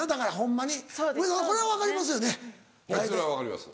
これは分かりますよね。